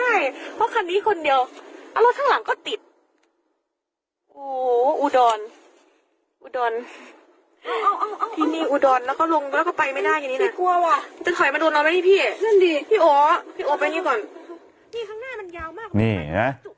ดีพี่อ๋อพี่อ๋อไปนี่ก่อนนี่ข้างหน้ามันยาวมากนี่น่ะ